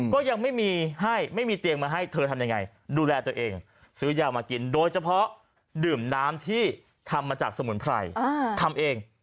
ก็ยังไม่มีให้ไม่มีเตียงมาให้เธอทำยังไงดูแลตัวเองซื้อยามากินโดยเฉพาะดื่มน้ำที่ทำมาจากสมุนไพรทำเอง